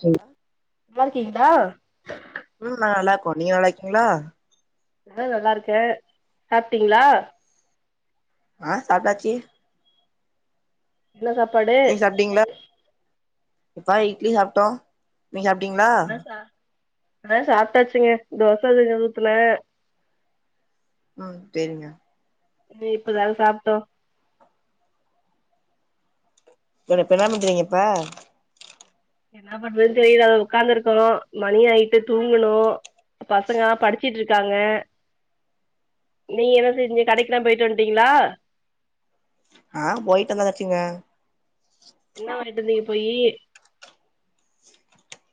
சொல் நலாருக்கீங்ளா ம் நாங்க நல்லா இருக்கோ நீங்க நல்லாக்கீங்ளா நா நல்லா இருக்கே சாப்டீங்ளா ஆ சாப்டாச்சி என்ன சாப்பாடு நீ சாப்டீங்ளா எப்பா இட்லி சாப்டோ நீங்க சாப்டீங்ளா அதா சா அதா சாப்டாச்சுங்க தோச கொஞ்சோ ஊத்துனே ம் செரிங்க வந்து இப்பதா சாப்ட்டோ சரி இப்ப என்ன பண்ரிங்க இப்ப என்ன பண்றது தெரியல அதா உக்காந்துருக்கோ மணி ஆய்ட்டு தூங்கணு பசங்க படிச்சிட்ருக்காங்க நீ என்ன செஞ்சிங் கடைக்லா போய்ட்டு வந்ட்டீங்களா ஆ போய்ட்டு வந்ததாச்சுங்க என்ன வாய்ண்ட்டு வந்தீய போயி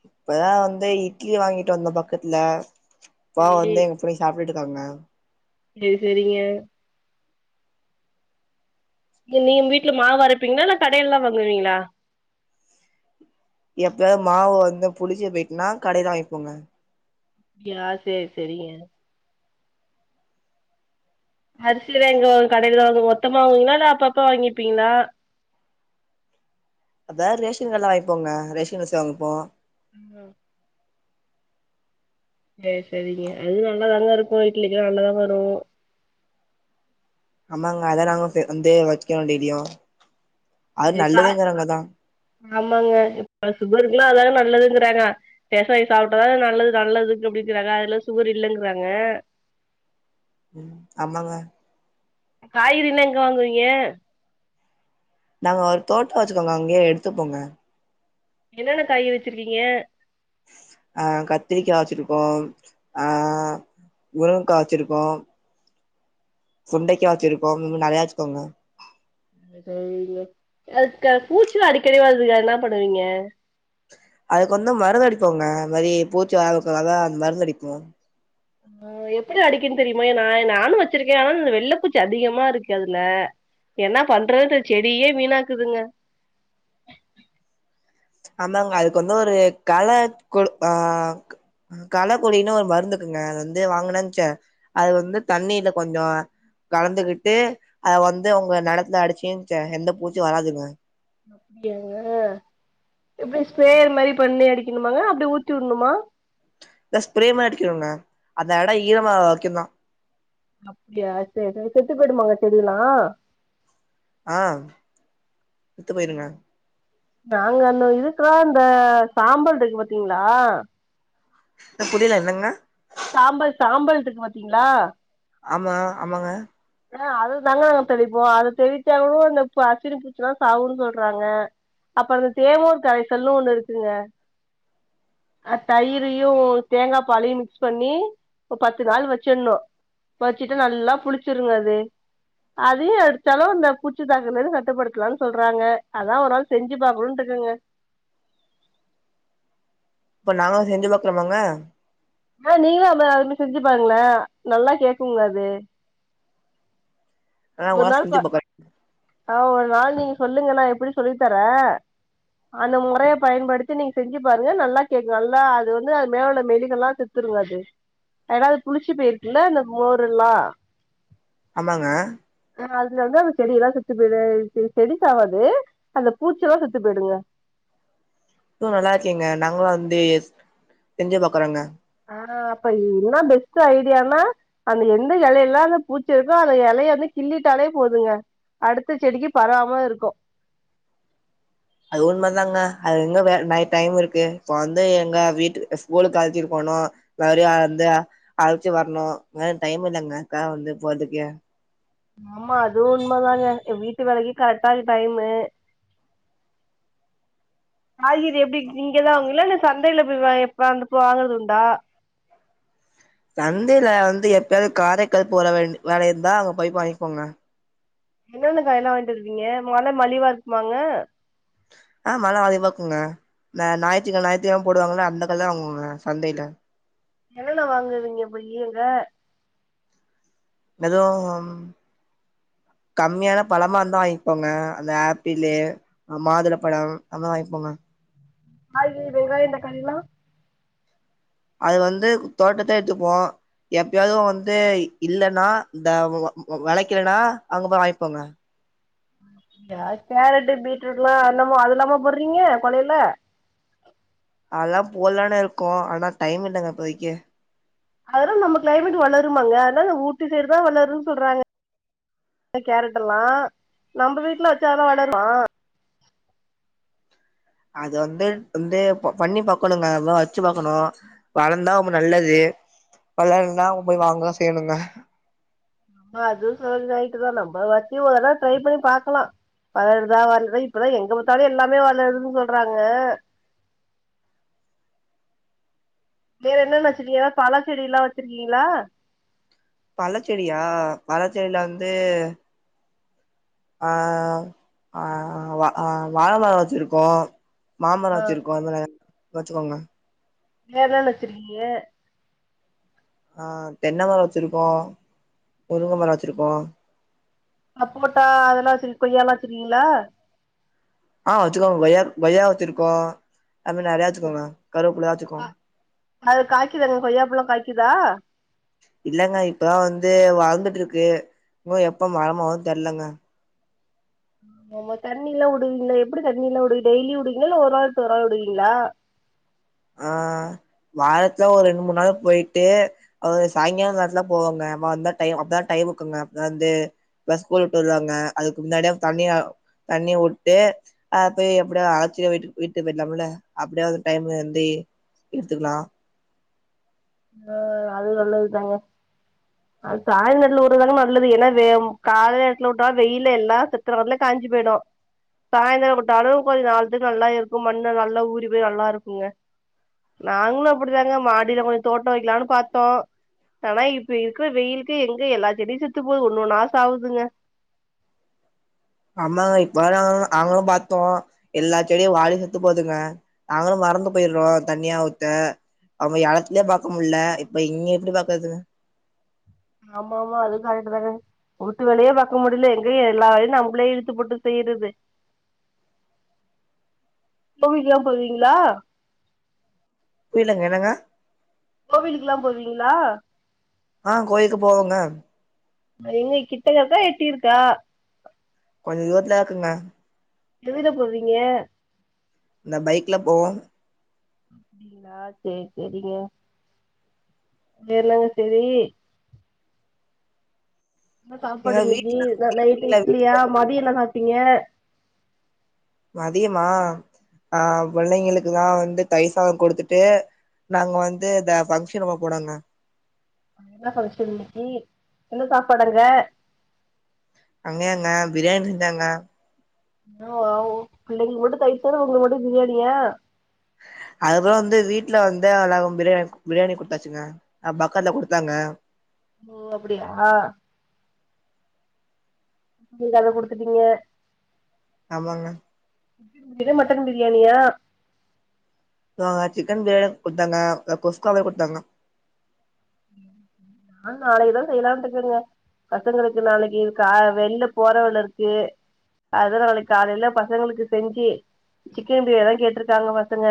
இப்பதா வந்து இட்லி வாங்கிட்டு வந்தே பக்கத்துல இப்பதா சரி வந்தே ப்டி சாப்டுட்டுக்காங்க செரி செரிங்க இங் நீ வீட்ல மாவரப்பீங்ளா இல்ல கடைல்தா வாங்குவீங்ளா எப்பயாது மாவு வந்து புளிச்சு பேட்னா கடைல வாங்கிப்போங்க யா சேரி சரிங்க அரிசிலா எங்க வாங் கடையில தா வாங்க மொத்தமா வாங்குவீங்ளா இல்ல அப்ப அப்ப வாங்கிப்பீங்ளா அதா ரேஷன் கட்ல வாங்கிப்போங்க ரேஷன் அரிசி வாங்கப்போ ஆ சேரி சரிங்க அதுவு நல்லாதாங்க இருக்கு இட்லிக்கு நல்லா வரு ஆமாங்க அதா நாங்க வந்து வைக்கோ டெய்லியு அது [unintelligible] நல்லதுங்கறாங்கதா ஆமாங்க இப்ப சுகருக்ளா அதான நல்லதுங்குறாங்க ரேஷன் அரிசி சாப்ட்டாதா நல்லது நல்லதுங்கு அப்டிங்குறாங்க அதுல சுகர் இல்லங்றாங்க ம் ஆமாங்க காய்கறினா எங்க வாங்குவீங்க நாங்க ஒரு தோட்டோ வச்சுக்கோங்க அங்கேயே எடுத்துப்போங்க என்னென்ன காய்கறி வச்சிருகீங்க அ கத்ரிக்கா வச்சிருக்கோ அ முருங்கா வச்சிருக்கோ சுண்டைக்கா வச்சிருக்கோ இன்னு நெறையா வச்சுக்கோங்க அதுக்க பூச்சு அடிக்கடி வருதுங்க என்ன பண்ணுவீங்க அதுக்கு வந்த மருந்து அடிப்போங்க இந்த மாரி பூச்சி வாரக்குல்லாத மருந்தடிப்போ ஆ எப்டி அடிக்கனு தெரியுமா நா நானு வச்சிருக்கே ஆனா இந்த வெள்ளப்பூச்சி அதிகமா இருக்கு அதுல என்ன பண்றது செடியே வீணாக்குதுங்க அந்தாங்க அதுக்கு வந்து ஒரு கள குழு ஆ‌க் களக்கொள்ளினு ஒரு மருந்துக்குங்க அது வந்து வாங்கனூன்ச்சே அது வந்து தண்ணில கொஞ்சோ கலந்துகிட்டு அத வந்து உங்க நெலத்துல அடிச்சிங்க வச்சு எந்த பூச்சு வராதுங்க அப்டியாங்க எப்டி ஸ்பேரயர் மாரி பண்ணி அடிக்கணுமாங்க அப்டி ஊத்தி உட்ணுமா த ஸ்ப்ரே மா அடிக்கணுங்க அந்த இடம் ஈரமா வைக்கந்தா அப்டியா சரி சரி செத்து போயடுமாங்க செடியெல்லா ஆ செத்து போயிருங்க நாங்க அந்த இதுக்குலா இந்த சாம்பல்ருக்கு பாத்தீங்களா த புரியல என்னங்க சாம்பல் சாம்பல்ருக்கு பாத்தீங்ளா ஆமா ஆமாங்க அ அது தாங்க நாங்க தெளிப்போ அத தெளிச்சா கூம் இந்த பசினி பூச்சல்லா சாகுன்னு சொல்றாங்க அப்புற இந்த தேவோர் கரைசல் னு ஒண்ணு இருக்குங்க அ தயிருயு தேங்காப்பாலையு மிக்ஸ் பண்ணி ஒ பத்து நாள் வச்சிடணு வச்சுட்டா நல்லா புளிச்சிருங்க அது அதையு அடிச்சாளு இந்த பூச்சித்தாக்குதல் கட்டுப்படுத்தலானு சொல்றாங்க அதா ஒரு நாள் செஞ்சு பாக்கணுன்ட்டு இருக்குங்க இப்ப நாங்களு செஞ்சு பாக்லாமாங்க அ நீங்களு அதுமா அது செஞ்சுப்பாருங்களே நல்லா கேக்குங்க அது ஆ ஒரு உங்களா நாள் செஞ்சு பா பாக்குறோ ஆ ஒரு நாள் நீங்க சொல்லுங்க நான் எப்படின் சொல்லி தரே அந்த மொறய பயன்படுத்தி நீங்க செஞ்சு பாருங்க நல்லா கேக்கு நல்லா அது வந்து அ மேல உள்ள மெலிக எல்லா செத் துருங்கது ஏனா அது புளிச்சு போயிருக்குல்ல இந்த மோரல்லா ஆமாங்க ஆ அதனாலந்து அந்த செடிய எல்லா செத்து போயிடு செடி சாவாது அந்த பூச்சி எல்லா செத்து போயிடுங்க து நல்லா இருக்கேங்க நாங்களு வந்து செஞ்சு பாக்குறோங்க ஆ அப்ப என்ன பெஸ்ட் ஐடியானா அந்த எந்த இலையெல்லா அந்த பூச்சிருக்கோ அந்த இலைய வந்து கிள்ளிட்டாலே போதுங்க அடுத்த செடிக்கு பரவாம இருக்கு அது உண்மத தாங்க அது எங்க வே நை டைம் இருக்கு இப்போ வந்து எங்க வீட்டு ஸ்கூலுக்கழச்சிட்டு போணு மர்டியு வந்து அழச்சு வரணு டைம் இல்லைங்க காக வந்து போறதுக்கு ஆமா அதுவு உண்ம தாங்க வீட்டு வேலைக்கு கரெக்டாருக்கு டைமு காய்கறி எப்டி இங்கதா வாங்குவீளா இல்ல சந்தைல போய் அந்தப்ப வாங்கறது உண்டா சந்தைல வந்து எப்பயாவது காரைக்கால் போற வேண் வேலஇருந்தா அங்க போய் வாங்கிக்வோங்க என்னென்ன காயெல்லா வாங்கிட்டு வந்துருக்கிங்க நல்ல மலிவா இருக்குமாங்க அ நல்ல மலிவாக்குங்க அ ஞாயித்துக்க ஞாயித்துகிழம் போடுவாங்ளா அந்த கல்ல வாங்குவோங்க சந்தைல என்னென்ன வாங்குவீங்க போயி அங்க எதோ ம் கம்மியான பழமா இருந்தா வாங்கிப்போங்க அந்த அப்பிளு அ மாதுளம்பழம் அதல்லா வாங்கிப்போங்க காயி வெங்காய தக்காளில்லா அது வந்து தோட்டத்தே எடுத்துப்போ எப்பயாது வந்து இல்லைன்னா இந்த விளைக்கலனா அங்க போய் வாங்கிப்போங்க கேரட்டு பீட்ரூட்டு லா இன்னமு அதுலாமா போடுறீங்க கொல்லைல அதல்லா போட்லானு இருக்கோ ஆனா டைம் இல்லங்க இப்போதைக்கு அதெல்லா நம்ம கிளைமேட்டுக் வளருமாங்க அதனா ஊட்டி சைடு தா வளரும்னு சொல்றாங்க கேரட் எல்லா நம்ப வீட்ல வச்சா அதுலா வளருமா அது வந்து வந்து பண்ணி பாக்கணுங்க எல்லா வெச்சு பாக்கணு வளந்தா நல்லது வளலனா போய் வாங்கதா செய்யணுங்க அதுவு சொல் நைட்டுதா நம்ம வெச்சி ஒரு தடவ ட்ரை பண்ணி பாக்கலா வளருதா வருதா இப்பதா எங்க பாத்தாலு எல்லாமே வளருதுன்னு சொல்றாங்க வேற என்னென்ன வெச்சிருக்கிங்க ஏதா பழ செடி எல்லா வெச்சிருக்கிங்களா பழ செடியா பழ செடில வந்து ஆ ஆ வா வாழமர வெச்சிருக்கோ மாமர ஆ வெச்சிருக்கோ அதுல வெச்சுக்கோங்க வேறென்ன வெச்சிருக்கிங்க ஆ தென்னைமர வெச்சுருக்கோ முருங்கமர வச்சுருக்கோ சப்போட்டா அதெல்லா சரி கொய்யாலா வெச்சிருக்கிங்களா ஆ வெச்சுக்கோ கொயா கொயா வெச்சிருக்கோ அப்ப நெறையா வெச்சுக்கோங்க கருவேப்பிளாச்சுக்கு அ அது காய்க்குதாங்க கொய்யாப்பழோ காய்க்குதா இல்லங்க இப்பதா வந்து வளந்துட்டு இருக்கு இன்னு எப்ப மரமாவு தெர்லங்க ஆமா தண்ணில்லா உடுவிங்ளா எப்படி தண்ணி எல்லா உடுவிங்க டெய்லி உடுவிங்ளா இல்ல ஒரு நாள் விட்டு ஒரு நாள் உடுவிங்ளா ஆ வாரத்துல ஒரு ரெண்டு மூணு நாள் போயிட்டு அவுங்க சாயங்கால நேரந்தா போவாங்க அதா டைம் அப்பதா டைமுக்குங்க அப்தா வந்து எல்லா ஸ்கூல் விட்டு வருவாங்க அதுக்கு முன்னாடியே தண்ணியா தண்ணி உட்டு அ போய் அப்படியோ அழச்சுட்டு வீட்டு வீட்டுக் போயிடலாம்ல அப்படியாது டைமு அதே எடுத்துக்கலா ஆ அது நல்லதுதாங்க அது சாயந்தரல உடறதாங்க நல்லது ஏன்னா வேவு கால நேரத்துல உட்டா வெயில எல்லா செத்தத்துரல காஞ்சி போயிடு சாயந்தர உட்டாலு கொஞ்ச நாள்த்துக்கு நல்லா இருக்கு மண்ல நல்லா ஊறி போய் நல்லாருக்குங்க நாங்களு அப்படிதாங்க மாடியில கொஞ்ச தோட்ட வெக்கலானு பாத்தோ ஆனா இப்ப இருக்கிற வெயிலுக்கு எங்க எல்லா செடியு செத்து போது ஒன்னொண்ணா சாகுதுங்க ஆமாங்க இப்பதா நாங்களு பாத்தோ எல்லா செடியு வாடி செத்து போதுங்க நாங்களு மறந்து போயர்றோ தண்ணியா ஊத்த அவங்க எலத்துலயே பாக்க முடில இப்ப இங்க எப்படி பாக்குறதுங்க ஆமாமா அதுவு கரெட்டு தாங்க ஊட்டு வேலையே பாக்க முடில எங்க எல்லா வேலையு நம்மளே இழுத்து போட்டு செய்யறது கோவிலுக்கெல்லாம் போவிங்ளா புரிலங்க என்னங்க கோவிலுக்கெல்லாம் போவிங்ளா ஆ கோயிலுக்கு போவங்க எங்க கிட்ட இருக்கா எட்டி இருக்கா கொஞ்ச தூரத்துலதா இருக்குங்க எதுல போவிங்க இந்த பைக்ல போவோ அப்டிங்ளா சேரி சேரிங்க தெர்லங்க செரி என்ன எங்க சாப்பாடு வீட்ல இன்னிக்கு நைட் வீட்ல இட்லியா வீட்ல மதிய என்ன சாப்டிங்க மதியமா அ புள்ளைங்களுக்குலா வந்து தயிர் சாத குடுத்துட்டு நாங்க வந்து இத ஃபங்க்ஷனப்ப போடுவங்க என்ன ஃபங்கஷன் இன்னிக்கி என்ன சாப்பாடு அங்க அங்கயாங்க பிரியாணி செஞ்சாங்க ஆ ஓ பிள்ளைங்களுக்கு மட்டு தயிர் சோறு உங்களுக்கு மட்டு பிரியாணியா அதுக்கப்புற வந்து வீட்ல வந்த எல்லாக்கு பிரியாணி பிரியாணி குடுத்தாச்சுங்க அ பக்கால குடுத்தாங்க ஓ அப்படியா நீங்க அத குடுத்துட்டீங்க ஆமாங்க பிரியான் மட்டன் பிரியாணியா ஏ அவுங்க சிக்கன் பிரியாணி குட்த்தாங்க இதுல குஸ்கா வேற குடுத்தாங்க ம் [inaudible] ஆ நாளைக்கு தா செய்லான்ட்டு இக்கறங்க பசங்களுக்கு நாளைக்கு கா வெளில போற வேல இருக்கு அதுதா நாளைக் காலையில பசங்களுக்கு செஞ்சி சிக்கன் பிரியாணி தா கேட்டிருக்காங்க பசங்க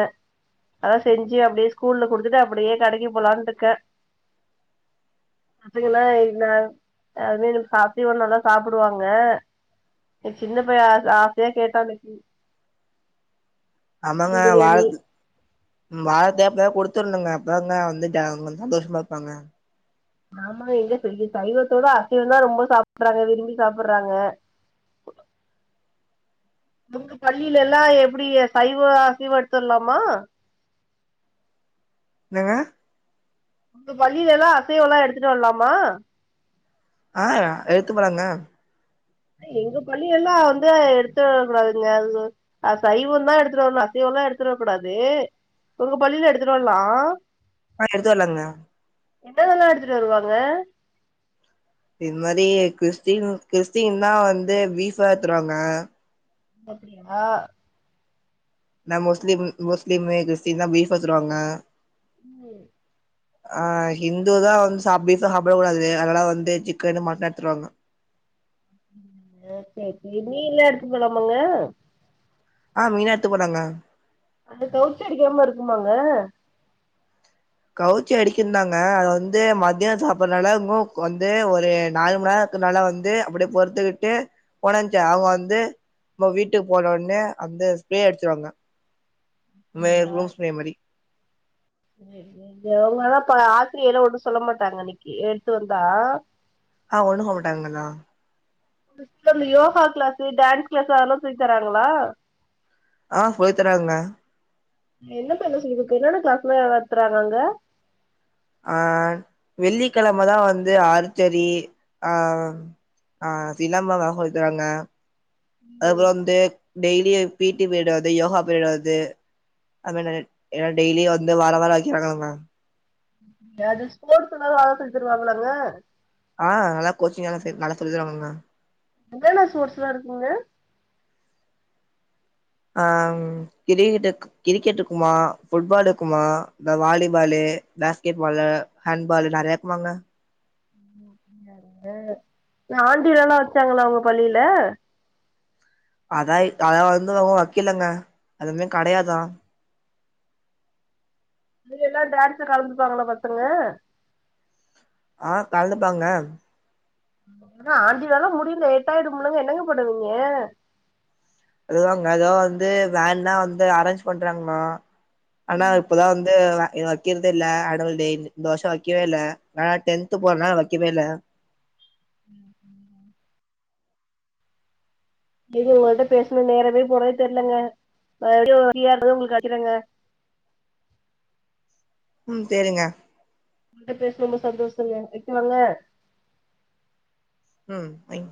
அதா செஞ்சி அப்டியே ஸ்கூல்ல குடுத்துட்டு அப்டியே கடைக்கு போலான்ட்டுக்க பாத்திங்களா இந்த அதே இதுங்க பசி வந்தா நல்லா சாப்டுவாங்க எ சின்ன பைய ஆச ஆசையா கேட்டான் வச்சி ஆமாங்க வாழ் பிரியாணி வாழத்த அப்பனா குடுத்துர்னுங்க அப்ப தாங்க வந்துட்ட சந்தோஷமா இருப்பாங்க ஆமா எங்க செய்ய சைவத்தோட அசைவந்தா ரொம்ப சாப்புறாங்க விரும்பி சாப்புறாங்க புட்லா உங்க பள்ளிலல்லா எப்டி சைவ அசைவ எடுத்து வர்லாமா என்னங்க உங்க பள்ளிலல்லா அசைவல்லா எடுத்துட்டு வர்லாமா அ எடுத்து போலாங்க எங்க பள்ளி எல்லா வந்து அத எடுத்து வரக்கூடாதுங்க எதுவு அ சைவந்தா எடுத்துட்டு வரணு அசைவல்லா எடுத்துட்டு வரக்கூடாது ஒங்க பள்ளில எடுத்துட்டு வரலா அ எடுத்து வரலாங்க என்னதெல்லா எடுத்துட்டு வருவாங்க இந் மாரி கிறிஸ்டின் கிறிஸ்டின்லா வந்து பீஃபா எத்துருவாங்க அப்பிடியா நா முஸ்லீம் முஸ்லீமு கிறிஸ்டின்தா பீஃப் எத்துருவாங்க ம் அ ஹிந்துதா வந்து சாப் பீஃப்லா சாப்ட கூடாது அதனால வந்து சிக்கனு மட்டன் எடுத்துருவாங்க ம் அ செரி செரி மீன்லா எடுத்துப் போலாமாங்க அ மீனா எட்த்து போலாங்க அது கவுச்சி அடிக்கிற மார்ருக்குமாங்க கவுச்சி அடிக்குந்தாங்க அத வந்து மதிய சாப்புற்னால உணவுக் வந்து ஒரு நாலு மண்நேரோ க்கு நால வந்து அப்டியே பொறுத்துக்கிட்டு ஒனஞ்ச அவுங்க வந்து நம்ப வீட்டுக்கு போனோன்னே அந்த ஸ்பேரே அடிச்சுவாங்க மே அப்டியா ரூம்ஸ்பேரே மாரி ஒங்களல்லா பல ஆசிரியெல்ல ஒன்னு சொல்ல மாட்டாங்க அன்னைக்கி எடுத்துட்டு வந்தா அ ஒண்ணு சொல்ல மாட்டாங்கல்லா லிஸ்ட்ல இந்த யோகா க்ளாஸு டான்ஸ் க்ளாஸு அதெல்லா சொல்லி தராங்களா அ சொல்லி தராங்க என்ன பண்ண சொல்லிக்குத்து என்னென்ன கிளாஸ்லா நட்த்துறாங்க அங்க ஆ வெள்ளிக்கெழமதா வந்து ஆருச்சரி ஆ அ சிலம்பொதா சொல்லித்தராங்க ம், அப்புறோ வந்து டெய்லியு பீட்டி பீரிடு வர்து யோகா பீரிடு வர்து அப்புறு என்னது எனா டெய்லி வந்து வாரோ வாரோ வக்கிறாங்களா எதாது ஸ்போட்ஸுலா நல்லா சொல்லி தருவாங்கலாங்க ஆ நல்லா கோச்சிங்கலா சேத் நல்லா சொல்லி தருவங்க என்னென்ன ஸ்போட்ஸுலா இருக்குங்க ஆங் கிரிகிடெக்கு கிரிக்கெட்ருக்குமா ஃபுட்பால் இர்க்குமா இந்த வாலிபாலு பாஸ்கெட் பாலு ஹேன்பாலு நெறையா இர்க்குமாங்க எத்தின் நேரோ அ ஆண்டுவிழாலா வச்சாங்களா உங்க பள்ளில அதா அத வந்து உன்னு வைக்கிலங்க அதுவந்து கெடையாதா இதுலெல்லா டான்ஸ்ல கலந்துப்பாங்களா பசங்க ஆ கல்ந்துப்பாங்க அப்டினா ஆண்டுவிழாலா முடிய லேட்டாய்டுமுலங்க என்னங்க பண்ணுவீங்க அதுதாங்க எதோ வந்து வேன்லா வந்து அரேஞ்ச் பண்றாங்ளா ஆனா இப்பதா வந்து இவ இவன் வக்கிற்தில்ல ஆணுவல்டேனு இந்த வர்ஷோ வைக்கவேல்ல வேணா டென்த்து போற்னால வக்கவேல்ல ம் ம் ம் இது உங்கள்ட்ட பேஸ்னா நேரமே போறதே தெர்லங்க நா என்னைக்கு ஒருநா ஃபிரீயா இருந்தா உங்ளுக் அடிக்கிறங்க ம் சேரிங்க உங்ட்ட பேசி ரொம்ப சந்தோஷங்க வக்குவாங்க ம் வைங்